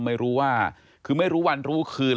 ไม่รู้ว่าคือไม่รู้วันรู้คืน